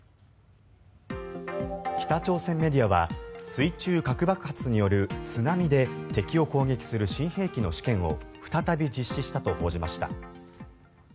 北朝鮮メディアは水中核爆発による津波で敵を攻撃する新兵器の試験を再び実施したと報じました。